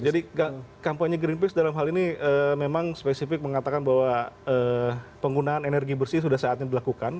jadi kampanye greenpeace dalam hal ini memang spesifik mengatakan bahwa penggunaan energi bersih sudah saatnya dilakukan